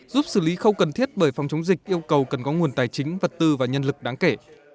giúp xử lý khâu cần thiết bởi phòng chống dịch yêu cầu cần có nguồn tài chính vật tư và nhân lực đáng kể